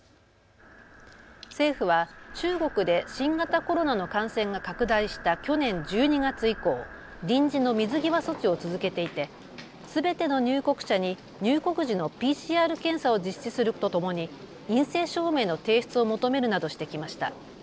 政府は中国で新型コロナの感染が拡大した去年１２月以降、臨時の水際措置を続けていてすべての入国者に入国時のＰＣＲ検査を実施するとともに陰性証明の提出を求めるなどしてきました。